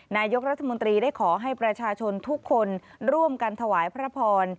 นายกรัฐมนตรีได้ขอให้ประชาชนทุกคนร่วมกันถวายพระพร